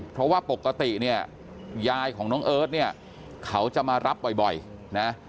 เพราะว่าปกติเนี่ยยายของน้องเอิร์ทเนี่ยเขาจะมารับบ่อยนะ